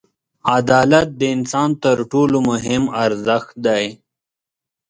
• عدالت د انسان تر ټولو مهم ارزښت دی.